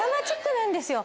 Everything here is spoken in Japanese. なんですよ。